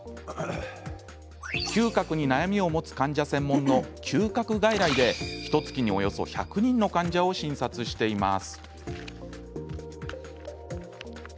嗅覚に悩みを持つ患者専門の嗅覚外来でひとつきに、およそ１００人の患者を診察しています。